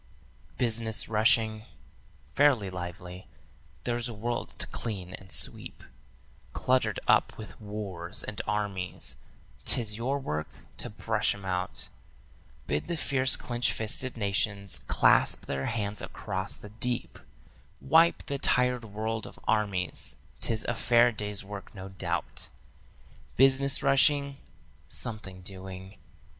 "'Business rushing?' Fairly lively. There's a world to clean and sweep, Cluttered up with wars and armies; 'tis your work to brush 'em out; Bid the fierce clinch fisted nations clasp their hands across the deep; Wipe the tired world of armies; 'tis a fair day's work no doubt. 'Business rushing?' Something doing.